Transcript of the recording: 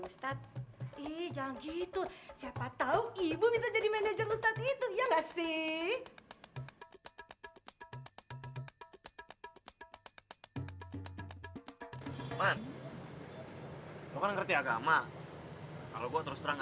ustadz ih jangan gitu siapa tahu ibu bisa jadi manajer ustadz itu ya enggak sih